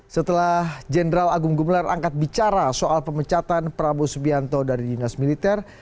setelah jenderal agung gumelar angkat bicara soal pemecatan prabowo subianto dari dinas militer